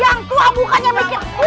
yang tua bukannya bikin wubur